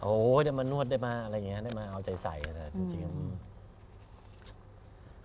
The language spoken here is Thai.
โอ้ได้มานวดได้มาอะไรอย่างนี้ได้มาเอาใจใสนะครับจริง